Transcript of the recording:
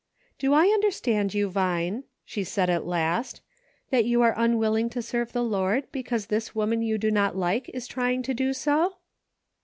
"Do I understand you, Vine," she said at last, " that you are unwilling to serve the Lord because this woman you do not like is trying to do so